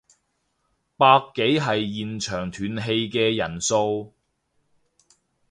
百幾係現場斷氣嘅人數